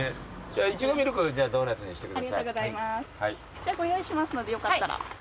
じゃご用意しますのでよかったら。